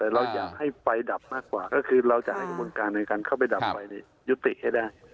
เราอยากให้ไฟดับมากกว่าก็คือเราจะให้กระบวนการในการเข้าไปดับไฟยุติให้ได้